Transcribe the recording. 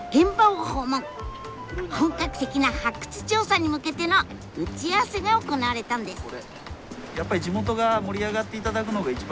本格的な発掘調査に向けての打ち合わせが行われたんです。